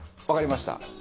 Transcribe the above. わかりました？